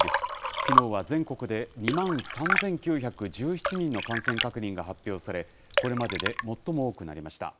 きのうは全国で２万３９１７人の感染確認が発表され、これまでで最も多くなりました。